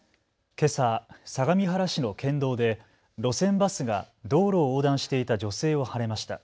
けさ相模原市の県道で路線バスが道路を横断していた女性をはねました。